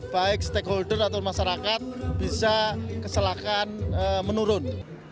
baik stakeholder atau masyarakat bisa keselakaan menurun